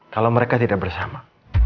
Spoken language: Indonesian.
kalau mereka tidak bersama